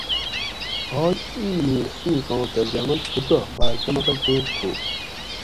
حال اِیں نوُں ایں کاں طرزعمل تھوتہ بار کم عقل توب تھو